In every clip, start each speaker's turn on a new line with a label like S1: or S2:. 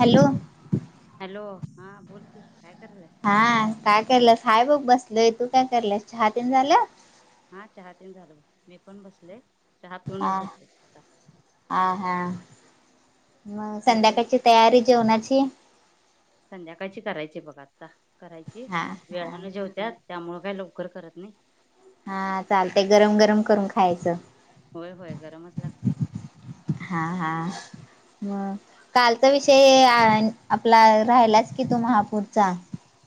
S1: Hello
S2: hello हा बोल की कायं करते
S1: हा काय केलं साहेबघ बसलय तू काय करल्यास चहा तेन झालं.
S2: हा चहा ते झालो मी पण बसले चहा पिऊनच बसते.
S1: आ हा मग
S2: निर्वेद
S1: संध्याकाळची तयारी जेवणाची.
S2: संध्याकाळची करायची बघ आता करायची
S1: हा हा
S2: वेळानं जेवत्यात. त्यामुळं काय लवकर करत नाही.
S1: हा चालते गरम गरम करून खायचं.
S2: होय होय गरमच लागतय.
S1: हा हा. ह कालचा विषय आपला राहिलाच की तू महापूरचा.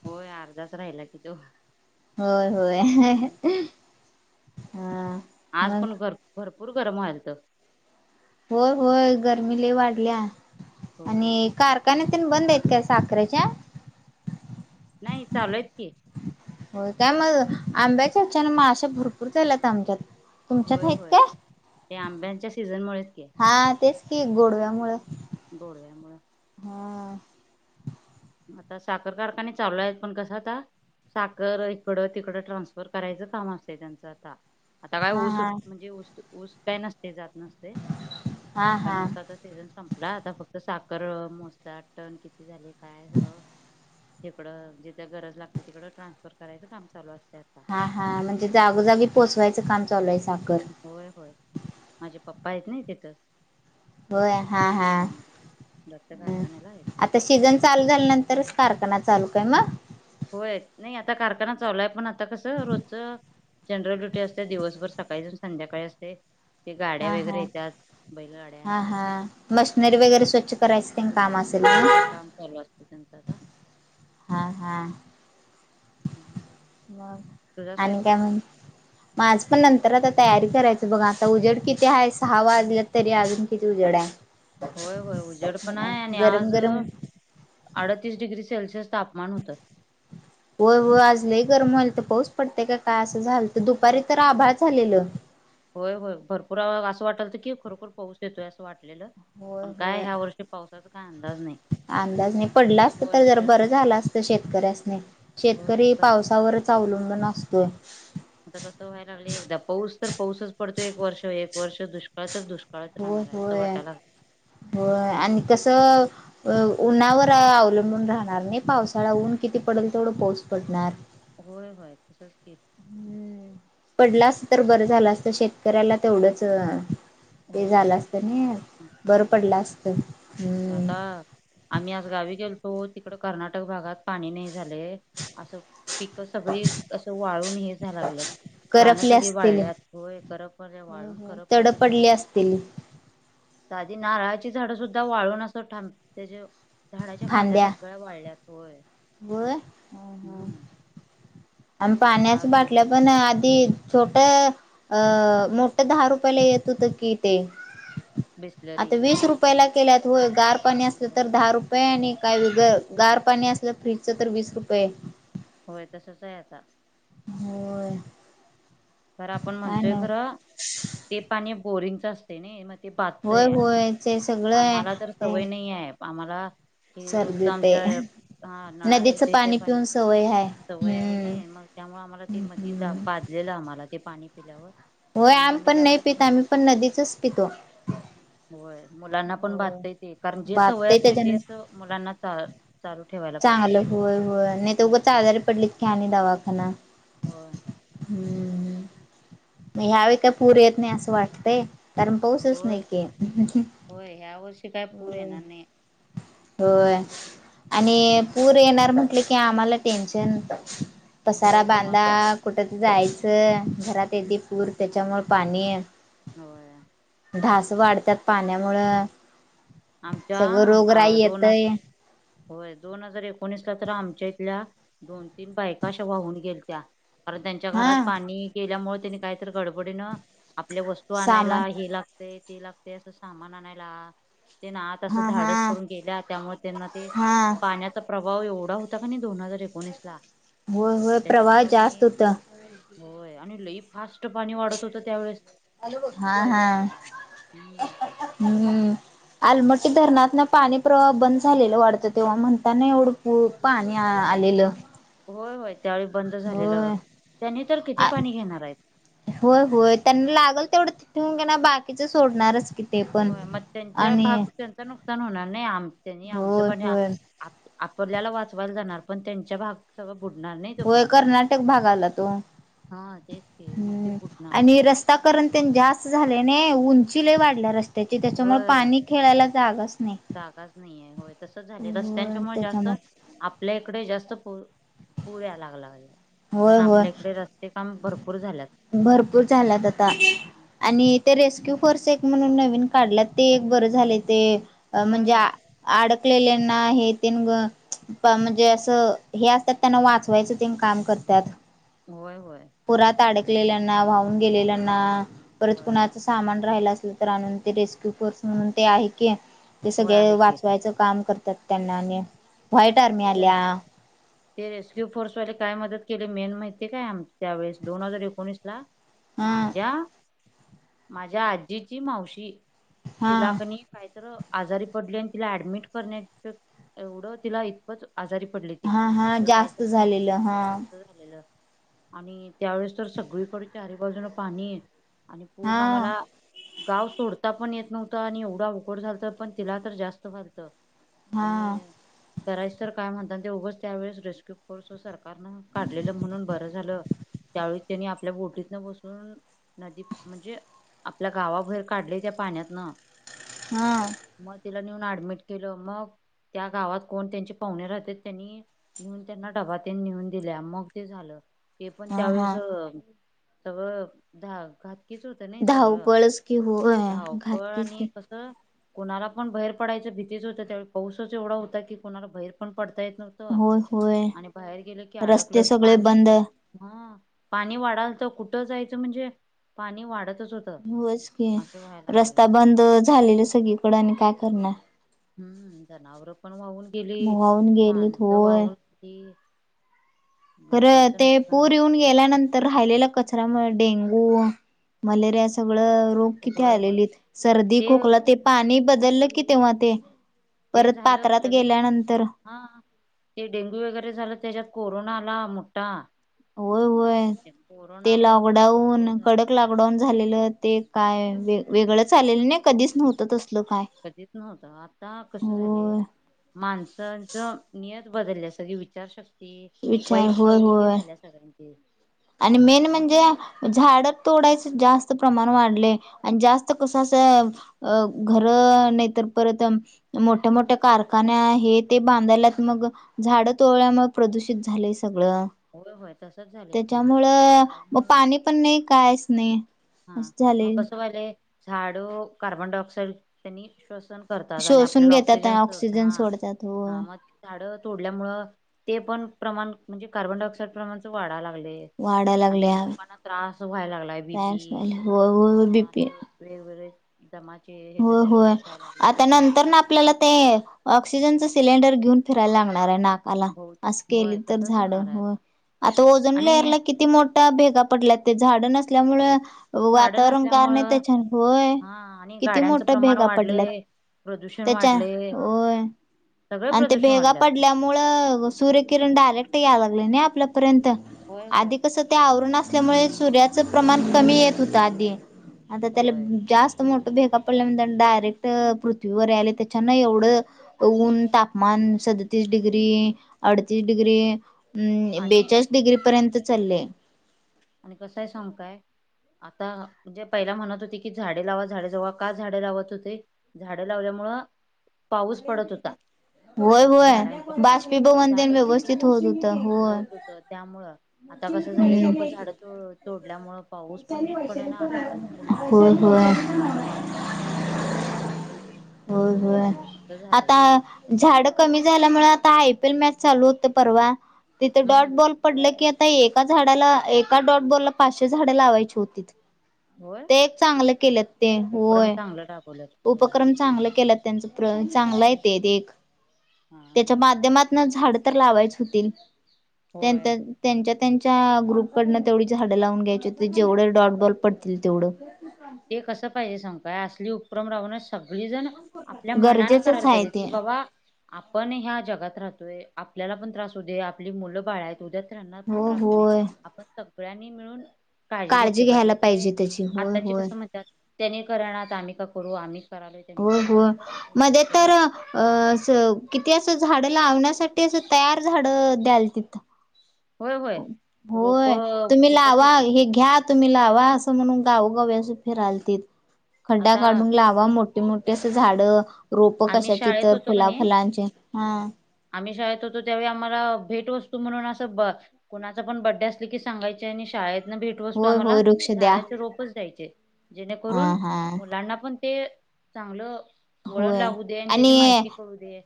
S2: होय अर्धाच राहिला की तो.
S1: होय
S2: हम्म.
S1: होय हा.
S2: आज
S1: मग
S2: पण घर भरपूर गरम व्हालत.
S1: होय होय गर्मी लई वाढल्या आणि
S2: होय ते
S1: कार. का त बंद आहेत का साखरेच्या.
S2: नाही चालूयत की.
S1: हो काय मग आंब्याच्या यान माशा भरपूर झाल्यात आमच्यात. तुमच्यात
S2: होय
S1: आहेत
S2: होय
S1: काय
S2: ते आंब्यांच्या सीझनमुळेच की
S1: हा तेच की गोडव्या मुळ.
S2: गोड व्या मुळ.
S1: हा.
S2: आता साखर कारखाने चालू आहेत पण कसा आता साखर इकडं तिकडं ट्रान्सफर करायचं काम असतते त्यांचं आता. आता काय
S1: हा
S2: ऊस
S1: हा
S2: म्हणजे ऊस ऊस काही नसते जात नसते
S1: हा
S2: कारण
S1: हा
S2: ऊसात. सीझन संपला आता फक्त साखर मोजतात टण किती झाले काय सगळ. तिकडं जिथे गरज लागते तिकडं ट्रान्सफर करायचं काम चालू असते आता.
S1: हा हा म्हणजे जागोजागी पोचवायचं काम चालू आहे साखर.
S2: होय होय माझे पप्पा आहेत ना तिथ.
S1: होय हा हा.
S2: दत्त कारखान्याला आहेत
S1: तर सीजन चालू झाल्यानंतरच कारखाना चालू काय मग.
S2: होय नाही आता कारखाना चालू आहे पण आता कसं रोजच. जनरल ड्युटी असते दिवसभर सकाळी जाऊन संध्याकाळी असते. ते गाड्या
S1: हा
S2: वगैरे
S1: हा
S2: येतात बैलगाड्या.
S1: हा हा. मशनरी वगैरे स्वच्छ करायचं. तेन काम असेल
S2: हा
S1: ना
S2: ते काम चालू असत त्यांचं आता.
S1: ह हा.
S2: हम्म.
S1: मग
S2: तुझा
S1: आणि काय
S2: स्वयंपाक
S1: म्ह. माझ पण नंतर आता तयारी करायचं बघा आता उजेड किती आहे सहा वाजले. तरी अजून किती उजड् हाय.
S2: होय होय उजेड पण आहे आणि
S1: गरम
S2: आज.
S1: गरम
S2: अडतीस डिग्री सेल्सिअस तापमान होतं.
S1: हो हो आजलंही गरम व्हाल तर पाऊस पडतेय का का असं झाल तर दुपारी तर आभार झालेलं.
S2: होय होय भरपूर असं वाटल तर की खरोखर पाऊस येतोय. वाटलेलं
S1: होय
S2: पण काय
S1: होय
S2: ह्या वर्षी पावसाचा काय अंदाज नाही.
S1: अंदाज नाही पडला
S2: एक
S1: असत तर जर
S2: वर्ष
S1: बरं झालं असत शेतकऱ्यासने
S2: होय
S1: शेतकरी
S2: कस
S1: पावसावर. अवलंबून असतोय.
S2: आता कसं व्हाय लागय एकदा पाऊस तर पाऊसच पडतो एक वर्ष एक वर्ष दुष्काळ तर दुष्काळ. सकाळच राहणार आहे असं वाटयला लातं.
S1: हो आणि कसं. अ उन्हावर अवलंबून राहणार नाही पावसाळा ऊन किती पडेल तेवढं पाऊस पडणार.
S2: होय होय तसच क
S1: हम्म पडलास तर बरं झालं असत शेतकऱ्याला तेवढंच ते
S2: होय
S1: झालं असत ना बरं
S2: झाला
S1: पडलं असत हम्म
S2: आता आम्ही आज गावी गेलतो तिकड कर्नाटक भागात पाणी नाही झाले असं पिक सगळी असं वाळून हे जा लागल्यात रानं
S1: करपले
S2: सगळी
S1: असतील
S2: वाळल्यात हो करप वाळून करप
S1: पडली असतील
S2: साधी नारळाची झाडं सुद्धा वाळून असं धांप्या त्याच्या झाडाच्या फांद्या सगळ्या वाढल्यात होय
S1: होय
S2: हम्म
S1: आणि म् पाण्याच
S2: आज गेलो
S1: बाटलं पण आधी छोट अ मोठ्या दहा रुपयाला येत होत कि ते आता
S2: बिसलरी
S1: वीस रुपयाला केल्यात होय गार पाणी असलं तर दहा रुपय र आणि काही व गार पाणी असलं फ्रीजच तर वीस रुपये
S2: होय तसच आहे आता
S1: हो
S2: तरर आपण म्हणतोय खरं ते पाणी बोरिंगच असतो मग ते
S1: होय
S2: पाचतय
S1: होय ते सगळं आहे
S2: आम्हाला तर
S1: ते
S2: सवय नाही आहे आम्हाला हे रोजच
S1: सर्दी ते
S2: आमच्या हा नळाले
S1: नदीचं
S2: ते ते
S1: पाणी
S2: पण
S1: पिऊन सवय हाय
S2: सवय आहे ना
S1: हम्म
S2: मग त्यामुळं आम्हाला ते मधी
S1: हम्म
S2: पाजलेलं आम्हाला ते पाणी पिल्यावर
S1: होय
S2: त्यामुळे
S1: आम
S2: आम्ही
S1: पण नाही
S2: जास्त
S1: पितो
S2: करून
S1: आम्ही पण नदीच पितो
S2: होय मुलांना पण
S1: हो
S2: भातता य ते कारण जे सवय
S1: बाधतय
S2: असते
S1: त्याच्यान
S2: तेच मुलांनाच चालू ठेवा
S1: चांगलं होय होय नाही तर उगंच आजारी पडलीत की आणि दवाखाना
S2: हो
S1: हम्म मग ह्यावे का पूर येत नाही असं वाटतय कारण पाऊसच
S2: होय
S1: नाही की
S2: होय ह्या वर्षी काय पूर येणार नाही
S1: हो आणि
S2: हम्म
S1: पूर येणार म्हटले की आम्हाला टेन्शन पसारा
S2: होय
S1: बांधा
S2: तुम्हाला
S1: कुठ जायचं घरात येते पूर त्याच्यामुळे पाणी
S2: हो
S1: ढास वाढतात पाण्यामुळं सगळं रोग
S2: आमच्या
S1: राई
S2: दोन
S1: येतय
S2: होय दोन हजार एकोणीसला तर आमच्या इथल्या दोन तीन बायका अशा वाहून गेलत्या कारण त्यांच्या घरात
S1: हा
S2: पाणी केल्यामुळे त्यांनी काहीतरी गडबडीनं आपल्या वस्तू
S1: सामान
S2: आणायला हे लाग ती लागते असं सामान आणायला ते ना आत असं
S1: हा
S2: धाडस
S1: हा
S2: करून गेल्या त्यामुळे त्यांना ते
S1: हा
S2: पाण्यात चा प्रभाव एवढा होता का नाही दोन हजार एकोणीस ला
S1: होय होय प्रवाह
S2: त्याच्यामुळे
S1: जास्त
S2: कणी
S1: होता
S2: होय आणि लई फास्ट पाणी वाढत होतं त्यावेेळेस
S1: हा
S2: हम्म
S1: हा हम्म आलमटी धरणात ना पाणी प्रवाह बंद झालेलं वाढतं तेव्हा म्हणताना एवढं पू पाणी आलेलं
S2: होय होय त्यावेळी बंद झालेलं
S1: होय
S2: त्यानी तर किती पाणी घेणार आहेत
S1: हो होय त्यांना लागल तेवढं तिथून बाकीच सोडणारच की
S2: हो मग त्यांच्या भाग त्यांच नुकसान होणार नाही आम त्यांनी आमचं
S1: होय
S2: पण
S1: होय
S2: आपल्याला वाचवायला जाणार पण त्यांच्या भाग सव बुडणार नाही तो
S1: होय
S2: पाण्यान
S1: कर्नाटक भागाला तो
S2: हा तेच के मग ते बुटणार
S1: ता कारण ते जास्त झालेने उंचीले वाढल्या रस्ते त्याची त्याच्याममुळं
S2: होय
S1: पाणी खेळायला जागाच नाही
S2: जागाच नाहीये होय तसच झाले रस्त्यांच्यामुळे जास्त
S1: त्याच्याम
S2: आपल्या इकडे जास्त पुऱ पुरया लागलाय
S1: होय
S2: कारण
S1: होय
S2: आपल्या इकडे जास ते काम भरपूर झाल्यात.
S1: भरपूर झालात आता
S2: हम्म, हम्म.
S1: आणि ते रेस्क्यू फोर्स एक म्हणून नवीन काढला ते एक बरं झाले ते अ
S2: होय
S1: म्हणजे आ
S2: होय
S1: अडकलेल्याना हे तेन ग प म्हणजे असं हे असतात त्यांना वाचवायचं तेन काम करत्यात.
S2: होय होय.
S1: पुरात अडकलेल्यांना वाहून गेलेल्यांना
S2: हा,
S1: परत
S2: होय
S1: कुणाचस सामान राहिला असलं तर आणून ते रेस्क्यू फोर्स म्हणून ते आहे की ते
S2: होय
S1: सगळे
S2: आहे की
S1: वाचवायचं काम करतात त्यांना आणि व्हाईट आर्मी
S2: त्यां
S1: आल्या
S2: ते रेस्क्यू फोर्सवाले काय मदत केले मेन माहिती काय आम त्यावेेळेस दोन हजार एकोणीस ला
S1: हा
S2: माझ्या माझ्या आजीची मावशी
S1: हा
S2: तिला कणी काहीतर आजारी पडली आणि तिला ऍडमिट करण्या एवढं तिला खूपच आजारी पडली
S1: हा हा
S2: तिला
S1: जास्त
S2: काहीतरी झालेलं
S1: हा
S2: जास्त झालेलं. आणि त्यावेेळेस तर सगळीकडे चारी बाजून पाणी आणि पूर्ण
S1: हा
S2: आम्हाला गाव सोडता पण येत नव्हतं आणि एवढा उकड झालतं पण तिला तर जास्त फालतं आणि
S1: हा
S2: करायच तर काय म्हणता ते उगंच त्यावेेळेस रेस्क्यू फोर्स सरकारनं काढलेलं म्हणून बरं झालं. त्यावेळी त्यांनी आपल्या बोटीत न बसून नदी म्हणजे आपल्या गावाबहेर काढले त्या पाण्यातनं
S1: हां.
S2: म तिला नेऊन ऍडमिट केलं, मग त्या गावात कोण त्यांचे पाहुणे राहते त्यांनी नेऊन त्यांना डबातेन नेऊन दिल्या मग ते झालं. हे पण
S1: हा
S2: त्यावेळेस
S1: हा
S2: सगळं धा घात कीच होतं नाही सगळं
S1: धावपळच की होय
S2: धावपळ
S1: घातकीच की
S2: आणि कसं कोणाला पण बाहेर पडायचं भीतीच होत त्यावेळी पाऊसच एवढा होता की कोणाला बाहेर पण पडता येत नव्ह तं
S1: होय होय
S2: आणि बाहेर गेलं की
S1: रस्ते
S2: अडकलचं
S1: सगळे
S2: पाणी
S1: बंद
S2: हा पाणी वाढाल तर कुठं जायचं म्हणजे पाणी वाढतच होत.
S1: होच की रस्ता बंद झालेला सगळी कडं आणि काय करणार.
S2: हम्म, जनावरं पण वाहून गेली,
S1: वाहून गेलीत
S2: माणसं
S1: होय.
S2: वाहून गेली.
S1: खरं
S2: लोकांचं
S1: ते
S2: नुकसान
S1: पूर येऊन गेल्यानंतर राहिलेलं कचरामुळे डेंगू मलेरिया सगळं रोग किती
S2: होय होय
S1: आलेली सर्दी खोकला ते पाणी बदललं कि तेव्हा ते
S2: ते
S1: परत
S2: झालं
S1: पात्रात
S2: लगेच
S1: गेल्यानंतर
S2: हा ते डेंग्यू वगैरे झालं त्याच्यात कोरोना आला मोठा
S1: होय होय.
S2: त्या
S1: ते
S2: कोरोनामुळे पण भरपूर
S1: लॉकडाऊन
S2: झालं
S1: कडक लॉकडाऊन झालेलं ते काय
S2: हम्म,
S1: वे वेगळंच आलेलं नाही कधीच नव्हतं तसल काय.
S2: कधीच नव्हतं आता कसं झालंय
S1: होय
S2: माणसांच नियत बदलल्या सगळी विचारशक्ती
S1: विचार
S2: वाईट
S1: होय
S2: प्रवृत्ती
S1: होय.
S2: झाल्यास. [unintelligible]
S1: आणि मेन म्हणजे झाड तोडायचे जास्त प्रमाण वाढले आणि जास्त कसं असं अ घरं नाही तर परत अम मोठ्या-मोठ्या कारखान्या हे ते बांधायलात मग झाडं तोळ्यामुळे प्रदूषित झालंय सगळं.
S2: हो हो.
S1: त्याच्यामुळं मग पाणी पण नाही कायच नाही.
S2: हा
S1: अस
S2: मग
S1: झाले
S2: कसं वालय झाडं कार्बन डाय ऑक्साइड त्यांनी श्वसन करतात आणि
S1: शोषून
S2: आपल्याला
S1: घेतात
S2: ऑक्सिजन सोडत हा
S1: सोडतात होय
S2: हा मग. झाडं तोडल्यामुळ ते पण प्रमाण म्हणजे कार्बन डाय ऑक्साइड प्रमाण वाढाय लागले.
S1: वाढायला लागले
S2: आणि
S1: हवेत
S2: लोकांना त्रास व्हायला लागलाय बी
S1: तयार होय होय हो बी पी
S2: वेगवेगळे दमाचे हेज तेन
S1: होय
S2: त्रास व्हाय लागले
S1: आता नंतर
S2: श्वसनाचे.
S1: ना आपल्याला ते ऑक्सिजनच सिलेंडर घेऊन फिरायला लागणार आहे ना. आला
S2: बहुत
S1: असं केली
S2: होय
S1: तर
S2: तसच
S1: झाड
S2: होणार आहे
S1: हो
S2: आता
S1: आता ओजन
S2: आणि
S1: लेयरला. किती मोठ्या भेगा पडल्या ते झाडं नसल्यामुळे
S2: झाड
S1: वातावरण कार
S2: नसल्यामुळे
S1: नाही त्याच्या होय
S2: हा आणि
S1: किती
S2: गाड्यांचं
S1: मोठ्या
S2: प्रमाण
S1: भेगा पडल्यात
S2: वाढलय प्रदूषण
S1: त्याच्या
S2: वाढलयं. सगळे प्रदूषण वाढल्यात.
S1: त्यामुळ सूर्य किरण डायरेक्ट यायलागलय नई आपल्यापर्यंत
S2: होय होय.
S1: आधी कस. ते आवरण असल्यामुळे सूर्याचं प्रमाण कमी येत होतं आधी आता त्याला
S2: होय
S1: जास्त मोठ भेग पडल्यान डायरेक्ट पृथ्वीवर यायलंय त्याच्यांन एवढं. ऊन तापमान सदतीस डिग्री. अडतीस डिग्री. हम्म
S2: आणि
S1: बेचाळीस डिग्री पर्यंत चाललेय.
S2: आणि कसंय सांगु काय? आता जे पहिला म्हणत होते की झाडे लावा झाडे जगवा का झाडे लावत होते. झाडं लावल्यामुळं पाऊस पडत होता.
S1: होय होय
S2: झाडांच्या मुळं.
S1: बाष्पीभवनतेन व्यवस्थित होत होतं होय.
S2: त्यामुळे आता कसं झाले
S1: हम्म
S2: लोक झाड तोड तोडल्यामुळे पाऊस पण नीट पडना उन्हाळ्याचा
S1: होय
S2: पावसाळा
S1: होय
S2: झालाय पावसाळ्याचा उन्हाळा झालाय.
S1: होय होय
S2: असं झालंय.
S1: आता. झाड कमी झाल्यामुळे आता आय पी एल मॅच चालू होत परवा तिथं डॉट
S2: हम्म.
S1: बॉल पडलं की आता एका झाडाला एका डॉट बॉलला पाचशे झाडं लावायची होतीत.
S2: होय
S1: ते एक चांगलं केलेत ते
S2: उपक्रम
S1: होय.
S2: चांगलं [inaudible]
S1: उपक्रम चांगला केल्यात त्यांच प्र चांगला येत एक
S2: हा हा.
S1: त्याच्या माध्यमात झाड तर लावायच होतील
S2: होय
S1: त्यांतर त्यांच्या त्यांच्या ग्रुपकडनं तेवढी झाडं लावून घ्यायची होती जेवढं डॉट बॉल पडतील तेवढं.
S2: ते कसं पाहिजे सांगू काय असली उपक्रम राबवन सगळीजण आपल्या मनान
S1: गरजेचंच
S2: करायला
S1: आहे
S2: पाहिजेत
S1: ते
S2: की बाबा आपण ह्या जगात राहतोय आपल्याला पण त्रास होत आपली मुलं बाळा उद्या त्याना पण
S1: हो
S2: त्रास होऊ नये
S1: होय
S2: आपण सगळ्यांनी मिळून काळजी घेतली पाहिजे
S1: घ्यायला
S2: ते
S1: त्याची होय
S2: आताची क
S1: होय
S2: त्याने करणात आम्ही का करू आम्हीच करालोय त्यानी का
S1: होय
S2: करू
S1: होय
S2: अस
S1: मध्ये
S2: हो
S1: तर
S2: लोक
S1: अ असं किती असं झाडं लावण्यासाठी असं तयार झाड द्याल तिथं
S2: होय रोप
S1: तुम्ही
S2: विकत
S1: लावा
S2: होती
S1: हे घ्या तुम्ही लावा असं म्हणून गावोगावी अस फिरालतीत खड्डा
S2: आता
S1: काढून ला मोठीे मोठी अस झाड रोप
S2: आम्ही
S1: कशाची
S2: शाळेत
S1: तर
S2: होतो
S1: फुला
S2: कणी
S1: फलांचे हा
S2: आम्ही शाळेत होतो त्यावेळी आम्हाला भेटवस्तू म्हणून असं ब कुणाच पण बड्डे असले की सांगायचे आणि शाळेत भेटवस्तू
S1: होय
S2: आम्हाला
S1: होय वृक्ष द्या
S2: झाडाचे रोपच द्यायचे
S1: हा
S2: जेणेकरून
S1: हा
S2: मुलांना पण ते चांगलं वळण लागू दे आणि त्याची माहिती कळू दे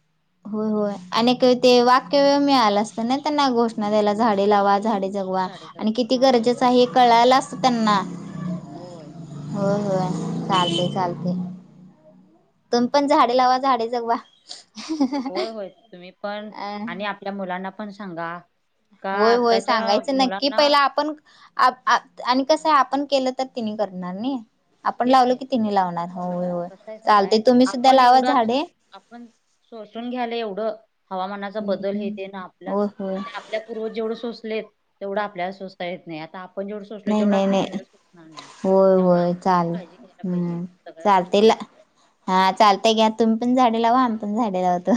S1: होय होय अक ते वाक्य व मिळालं असतं ना त्यांना घोषणा द्याला झाडे लावा झाडे जगवा
S2: झाडेचं
S1: आणि किती
S2: हा
S1: गरजेचं आहे हे कळाल असत त्यांना
S2: होय.
S1: होय होय चालते चालते तुम् पण झाडे लावा झाडे जगवा
S2: होय होय तुम्ही पण
S1: अ
S2: आणि आपल्या मुलांना पण सांगा का
S1: होय होय
S2: आताच्या
S1: सांगायचं नक्की
S2: मुलांना
S1: पहिला आपण आणि कसं, आहे आपण केलं तर तिने करणार नाही. आपण लावलो की तिने लावणार. होय, होय
S2: कसं आहे सांगू काय
S1: चालते तुम्ही सुद्धा
S2: आपण
S1: लावा
S2: एवढं आता
S1: झाडे.
S2: आपण शोषून घ्याल एवढं हवामानाचा बदल हे
S1: हम्म
S2: ते ना आपल्यात,
S1: होय होय
S2: आता आपल्या पूर्वज जेवढं सोसलेत तेवढं आपल्याला सोसाता येत नाही आता आपण जेवढं सोचलो
S1: नाही
S2: तेवढं
S1: नाही
S2: आपली मुलं
S1: नाही
S2: सोसणार नाही
S1: होय होय
S2: त्यामुळे
S1: चालेल
S2: काळजी घ्यायला पाहिजे,
S1: हम्म
S2: सगळ्या
S1: चालते ला
S2: गोष्टींची.
S1: हा चालतय घ्या. तुम्ही पण झाडे लावा. आम्ही पण झाडे लावतो.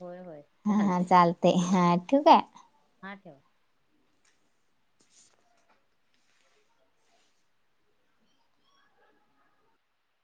S2: होय होय
S1: हा हा
S2: चालते
S1: चालतेय. हा ठेऊ का?
S2: हा ठेव.